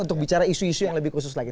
untuk bicara isu isu yang lebih khusus lagi